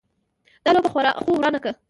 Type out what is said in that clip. دا لوبه خو ورانه که.